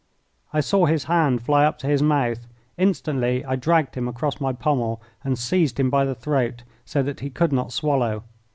I saw his hand fly up to his mouth. Instantly I dragged him across my pommel and seized him by the throat, so that he could not swallow.